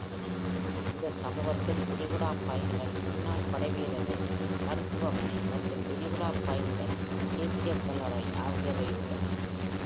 இந்தச் சமூகத்தில் விரிகுடாப் பைன்கள் முன்னாள் படைவீரர்கள் மருத்துவமனை மற்றும் விரிகுடாப் பைன்கள் தேசியக் கல்லறை ஆகியவை உள்ளன.